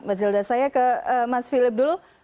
mas zilda saya ke mas filip dulu